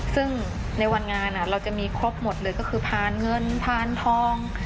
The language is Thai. ซึ่งในวันงานเราจะมีครบหมดเลยก็คือพานเงินพานทอง